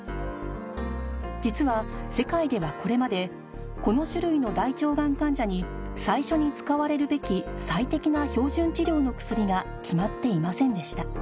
実は世界ではこれまでこの種類の大腸がん患者に最初に使われるべき最適な標準治療の薬が決まっていませんでした